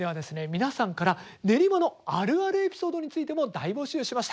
皆さんから練馬のあるあるエピソードについても大募集しました。